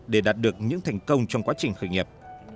để đạt được những thành công trong quá trình khởi nghiệp